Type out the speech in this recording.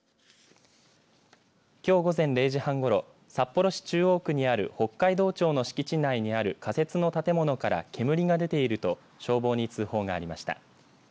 きょう午前０時半ごろ札幌市中央区にある北海道庁の敷地内にある仮設の建物から煙が出ていると消防に通報がありました。